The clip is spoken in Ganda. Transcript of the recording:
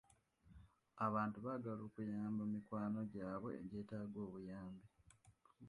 Abantu baagala okuyamba mikwano gyabwe egyetaaga obuyambi.